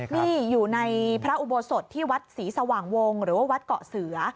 นี่อยู่ในพระอุโบสถที่วัดศรีสว่างวงหรือว่าวัดเกาะเสือ